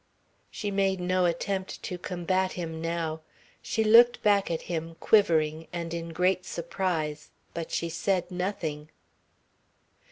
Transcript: She made no attempt to combat him now. She looked back at him, quivering, and in a great surprise, but she said nothing.